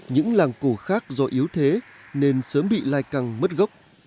những làng cổ khác do yếu thế nên sớm bị lai căng mất gốc